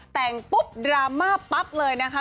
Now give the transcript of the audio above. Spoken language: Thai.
แต่งปุ๊บดราม่าปั๊บเลยนะคะ